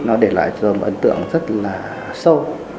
nó để lại cho một ấn tượng rất là sâu